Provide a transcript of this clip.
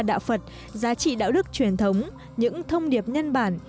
đạo phật giá trị đạo đức truyền thống những thông điệp nhân bản